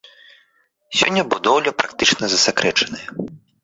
Сёння будоўля практычна засакрэчаная.